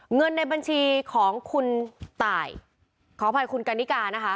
เงินในบัญชีของคุณตายขออภัยคุณกันนิกานะคะ